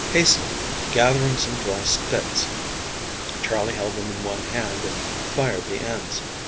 Hastily gathering some dry sticks, Charley held them in one hand and fired the ends.